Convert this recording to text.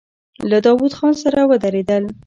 له داوود خان سره ودرېدل.